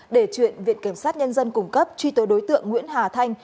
để chuyện viện kiểm sát nhân dân cung cấp truy tố đối tượng nguyễn hà thanh